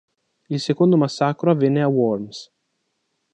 Il secondo massacro avvenne a Worms.